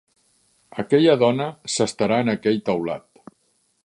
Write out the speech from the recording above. Aquella dona s'estarà en aquell teulat.